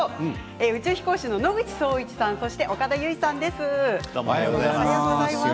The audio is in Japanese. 宇宙飛行士の野口聡一さんと岡田結実さんです。